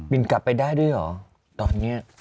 กลับไปได้ด้วยเหรอตอนนี้